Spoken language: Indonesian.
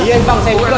iya bang saya juga